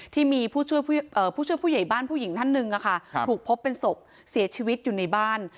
ที่มีผู้ช่วยผู้ใหญ่บ้านผู้หญิงท่านหนึ่งถูกพบเป็นศพเสียชีวิตอยู่ในบ้าน